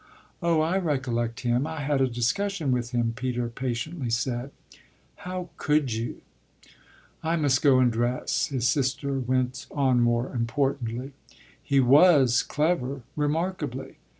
"Oh I recollect him I had a discussion with him," Peter patiently said. "How could you? I must go and dress," his sister went on more importantly. "He was clever, remarkably.